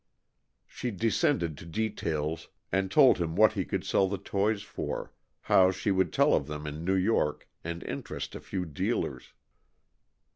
She descended to details and told him what he could sell the toys for; how she would tell of them in New York and interest a few dealers.